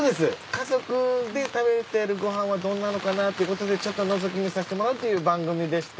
家族で食べてるご飯はどんなのかなっていうことでちょっとのぞき見させてもらうっていう番組でして。